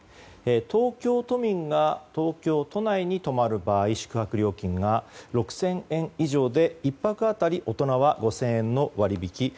東京都民が東京都内の泊まる場合宿泊料金が６０００円以上で１泊当たり大人は５０００円の割引